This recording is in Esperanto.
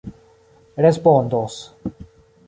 respondos